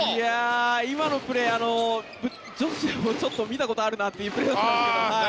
今のプレー女子でも見たことあるなというプレーだったんですけど。